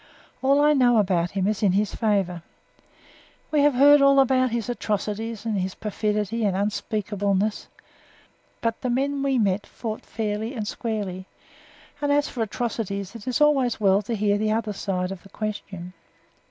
All I know about him is in his favour. We have heard all about his atrocities and his perfidy and unspeakablenesses, but the men we met fought fairly and squarely; and as for atrocities it is always well to hear the other side of the question.